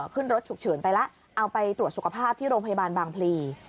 ขึ้นรถฉุกเฉินไปแล้วเอาไปตรวจสุขภาพที่โรงพยาบาลบางพลี